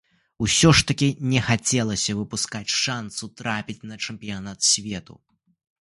Усё ж такі не хацелася выпускаць шанцу трапіць на чэмпіянат свету.